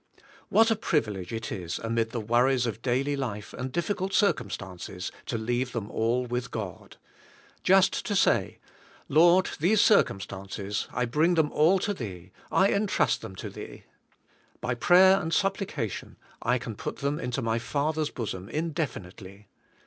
What a privilege it is amid the worries of daily life and dif ficult circumstances to leave them all with God. Just to say, Lord, these circumstances I bring them all to Thee, I entrust them to Thee." By prayer and supplication I can put them into my Father's bosom indefinitely.